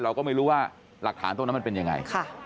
เราก็ไม่รู้ว่าหลักฐานตรงนั้นมันเป็นยังไง